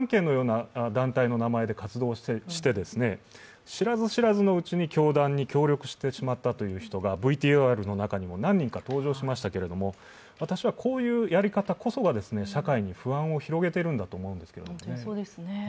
教団の幹部たちが教団だと告げずに、一見、無関係のような団体の名前が活動して知らず知らずのうちに教団に協力してしまったという人がＶＴＲの中にも何人か登場しましたけれども、私はこういうやり方こそが社会に不安を広げているんだと思うんですね。